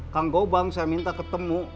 kang gobang saya minta ketemu